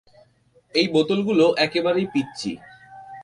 এই বোতলগুলো একেবারেই পিচ্চি।